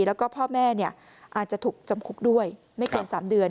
แล้วก็พ่อแม่อาจจะถูกจำคุกด้วยไม่เกิน๓เดือน